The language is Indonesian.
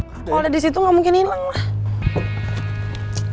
kalau di situ nggak mungkin hilang lah